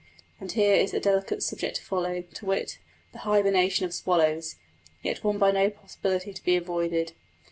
And here is a delicate subject to follow to wit, the hibernation of swallows yet one by no possibility to be avoided.